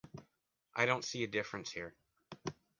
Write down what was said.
I don't see the difference here.